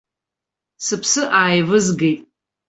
Сыԥсы ааивызгеит.